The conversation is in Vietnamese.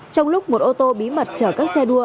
trong lúc một ô tô bí mật chở các xe đua